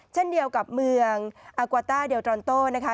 เช่นเดียวกับเมืองอากวาต้าเดลตรอนโต้นะคะ